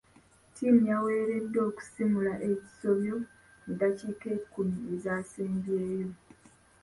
Ttiimu y'awereddwa okusimula ekisobyo mu ddakiika ekkumi ezaasembyeyo.